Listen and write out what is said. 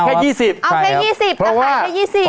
เอาแค่ยี่สิบเอาแค่ยี่สิบก็ขายแค่ยี่สิบ